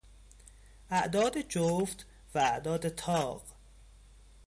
اعداد جفت و اعداد تاق